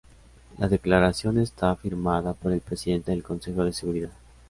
La declaración está firmada por el presidente del Consejo de Seguridad.